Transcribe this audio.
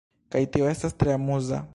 kaj tio estas tre amuza